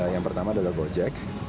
yang pertama adalah gojek